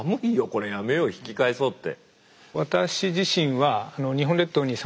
これやめよう引き返そうって。